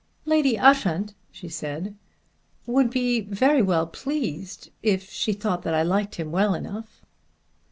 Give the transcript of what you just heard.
"Lady Ushant," she said, "would be very well pleased, if she thought that I liked him well enough."